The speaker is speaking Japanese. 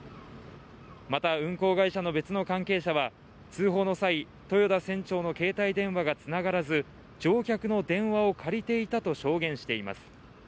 また運航会社の別の関係者は通報の際、豊田船長の携帯電話がつながらず乗客の電話を借りていたと証言しています